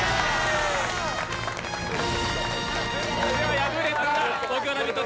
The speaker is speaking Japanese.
敗れた木曜「ラヴィット！」